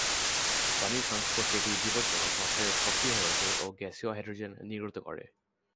পানির সংস্পর্শে এটি বিপজ্জনক মাত্রায় সক্রিয় হয়ে ওঠে ও গ্যাসীয় হাইড্রোজেন নির্গত করে।